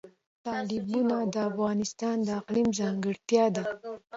تالابونه د افغانستان د اقلیم ځانګړتیا ده.